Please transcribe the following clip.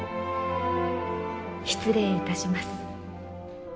失礼いたします。